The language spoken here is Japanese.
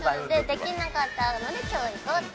できなかったので今日行こうって。